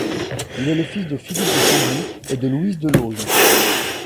Il est le fils de Philippe de Chambly et de Louise de Laulne.